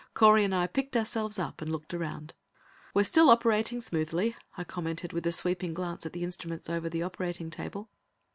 Correy and I picked ourselves up and looked around. "We're still operating smoothly," I commented with a sweeping glance at the instruments over the operating table.